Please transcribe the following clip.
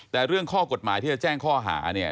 แต่เรื่องข้อกฎหมายที่จะแจ้งข้อหาเนี่ย